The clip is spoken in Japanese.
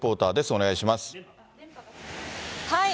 お願いします。